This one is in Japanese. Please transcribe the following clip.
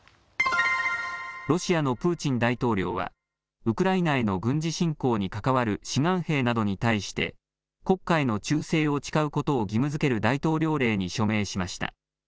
ロシアのプーチン大統領はウクライナへの軍事侵攻に関わる志願兵などに対して国家への忠誠を誓うことを義務づける大統領令に署名しました。